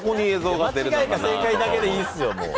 間違いか正解だけでいいですよ。